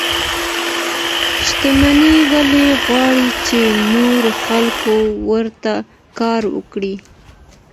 شتمن ولي غواړي چي نور خلګ ورته کار وکړي؟